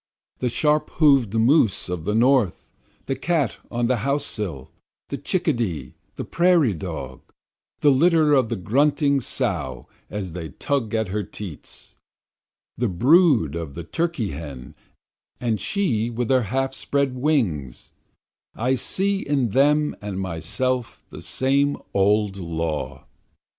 The sharp hoof'd moose of the north, the cat on the house sill, the chickadee, the prairie dog, The litter of the grunting sow as they tug at her teats, The brood of the turkey hen and she with her half spread wings, I see in them and myself the same old law.